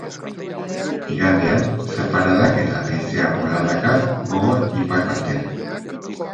Igandean, zaparradak eta haizea boladaka gogor ipar partean.